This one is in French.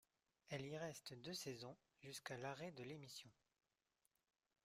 Elle y reste deux saisons, jusqu'à l'arrêt de l'émission.